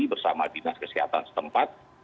bersama dinas kesehatan setempat